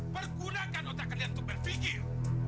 pergunakan otak kalian untuk berpikir